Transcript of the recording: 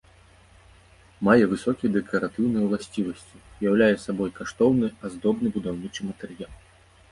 Мае высокія дэкаратыўныя ўласцівасці, уяўляе сабой каштоўны аздобны будаўнічы матэрыял.